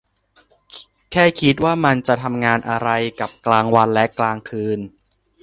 แค่คิดว่ามันจะทำงานอะไรกับกลางวันและกลางคืน !